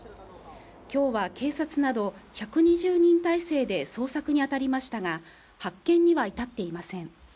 今日は警察など１２０人態勢で捜索に当たりましたが発見には至っていません。